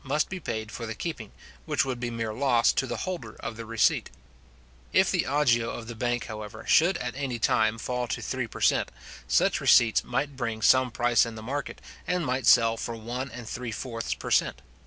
must be paid for the keeping, which would be mere loss to the holder of the receipt. If the agio of the bank, however, should at any time fall to three per cent. such receipts might bring some price in the market, and might sell for one and three fourths per cent.